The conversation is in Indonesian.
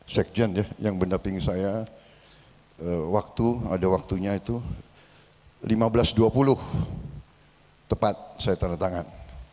sekjen ya yang mendaping saya waktu ada waktunya itu lima belas dua puluh tepat saya tanda tangan